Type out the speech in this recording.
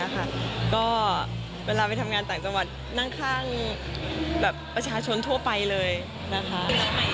ก็เวลาไปทำงานต่างจังหวัดนั่งข้างประชาชนทั่วไปเลยนะคะ